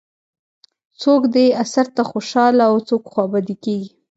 څوک دې اثر ته خوشاله او څوک خوابدي کېږي.